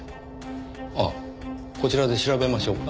あっこちらで調べましょうか？